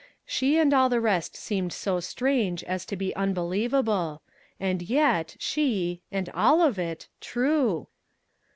She and all the rest seemed so strange as to be unbelievable. And yet, she and all of it true!...